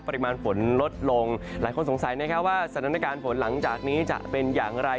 ปริมาณฝนลดลงหลายคนสงสัยนะครับว่าสถานการณ์ฝนหลังจากนี้จะเป็นอย่างไร